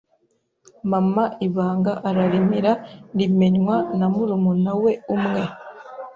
mama ibanga ararimira rimenywa na murumuna we umwe